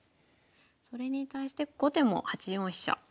それに対して後手も８四飛車。